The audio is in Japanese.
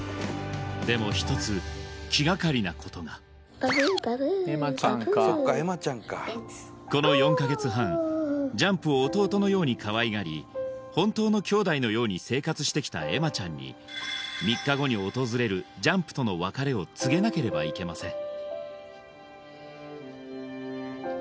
でも一つ気がかりなことがバブーバブーバブーこの４か月半ジャンプを弟のようにかわいがり本当の姉弟のように生活してきた愛舞ちゃんに３日後に訪れるジャンプとの別れを告げなければいけません